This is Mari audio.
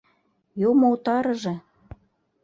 — Юмо утарыже!..